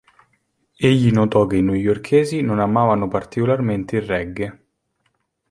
Egli notò che i newyorkesi non amavano particolarmente il reggae.